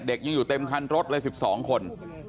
ยังอยู่เต็มคันรถเลย๑๒คน